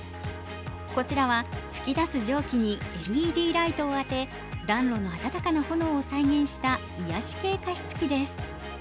こちらは噴き出す蒸気にＬＥＤライトを当て暖炉の暖かな炎を再現した癒やし系加湿器です。